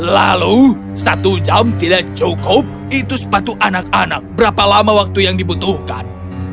lalu satu jam tidak cukup itu sepatu anak anak berapa lama waktu yang dibutuhkan